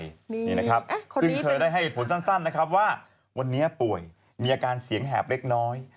นี่นะครับซึ่งเธอได้ให้ผลสั้นนะครับว่าวันนี้ป่วยมีอาการเสียงแหบเล็กน้อย